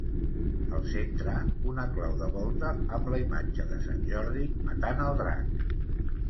Al centre, una clau de volta amb la imatge de sant Jordi matant el drac.